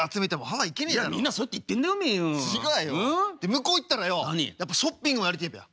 向こう行ったらよやっぱショッピングはやりてえべや。